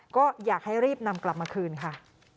ก็อยากให้รีบนำกลับมาคืนค่ะ